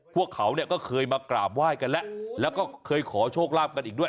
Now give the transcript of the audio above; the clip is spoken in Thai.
พวกเขาเนี่ยก็เคยมากราบไหว้กันแล้วแล้วก็เคยขอโชคลาภกันอีกด้วย